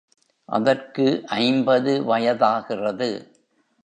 அதற்கு ஐம்பது வயதாகிறது.